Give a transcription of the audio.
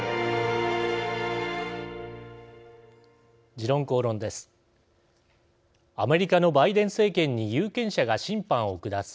「時論公論」です。